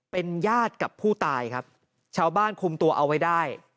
เป็นญาติกับผู้ตายครับชาวบ้านคุมตัวเอาไว้ได้